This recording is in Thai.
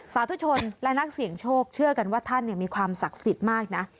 สาธุชนและนักเสี่ยงโชคเชื่อกันว่าท่านมีความศักดิ์สิทธิ์มากนะ